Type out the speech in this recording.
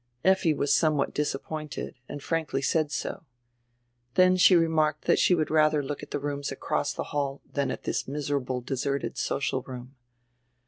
Effi was somewhat disappointed and frankly said so. Then she remarked diat she would radier look at die rooms across die hall dian at diis miserable, deserted social room.